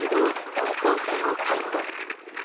高校生を逮捕。